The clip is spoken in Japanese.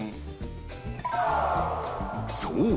そう！